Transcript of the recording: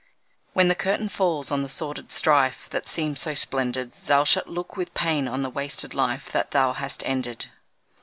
When the curtain falls on the sordid strife That seemed so splendid, Thou shalt look with pain on the wasted life That thou hast ended.